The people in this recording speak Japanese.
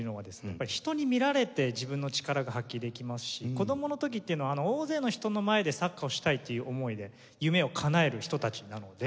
やっぱり人に見られて自分の力が発揮できますし子供の時っていうのは大勢の人の前でサッカーをしたいっていう思いで夢をかなえる人たちなので。